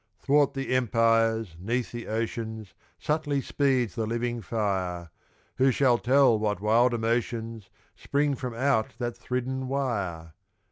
'Thwart the empires, 'neath the oceans, Subtly speeds the living fire; Who shall tell what wild emotions Spring from out that thridden wire?